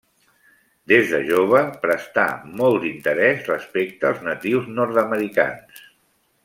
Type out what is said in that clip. Des de jove prestà molt d'interès respecte als natius nord-americans.